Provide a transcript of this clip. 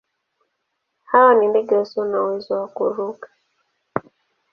Hawa ni ndege wasio na uwezo wa kuruka.